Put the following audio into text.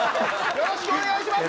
よろしくお願いします。